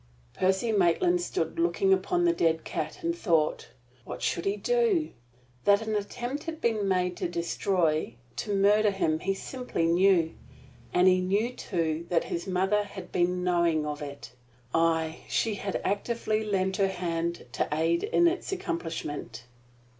Percy Maitland stood looking upon the dead cat, and thought. What should he do? That an attempt had been made to destroy to murder him he simply knew; and he knew, too, that his mother had been knowing to it. Aye, she had actively lent her hand to aid in its accomplishment.